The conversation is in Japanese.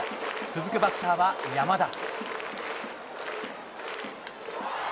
続くバッターは山田。